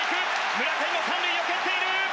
村上も三塁を蹴っている。